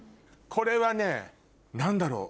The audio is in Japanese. これはね何だろう。